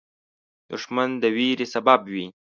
دښمن د ویرې سبب وي